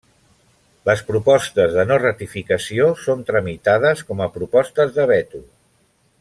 Les propostes de no ratificació són tramitades com a propostes de veto.